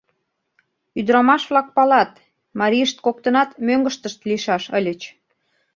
Ӱдырамаш-влак палат: марийышт коктынат мӧҥгыштышт лийшаш ыльыч.